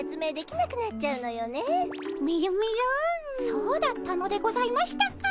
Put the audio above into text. そうだったのでございましたか。